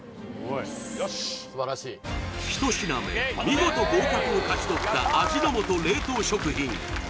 見事合格を勝ち取った味の素冷凍食品